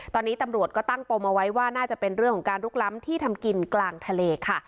ตอนนี้ตำรวจก็ตั้งปมเอาไว้ว่าน่าจะเป็นเรื่องของการลุกล้ำที่ทำกินกลางทะเลค่ะ